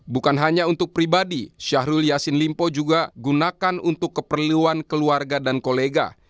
bukan hanya untuk pribadi syahrul yassin limpo juga gunakan untuk keperluan keluarga dan kolega